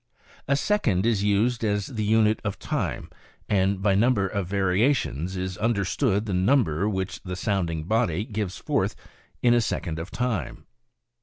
"A second is used as the unit of time, and by number of variations is understood the number which the sounding body gives forth in a second of time.